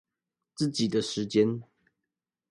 自己的時間